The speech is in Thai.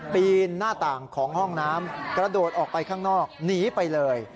ปีนหน้าต่างของห้องน้ำกระโดดออกไปข้างนอกหนีไปเลย